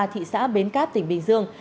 thị xã bến cát tỉnh bình dương